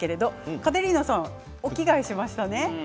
カテリーナさんお着替えしましたね。